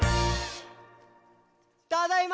ただいま！